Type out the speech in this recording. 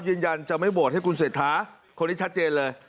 ยืนยันจะไม่โหวตให้คุณเศรษฐาคนนี้ชัดเจนเลย